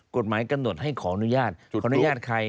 กฎหมายกำหนดให้ขออนุญาตขออนุญาตใคร